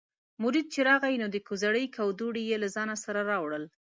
مرید چې راغی نو د کوزړۍ کودوړي یې له ځانه سره راوړل.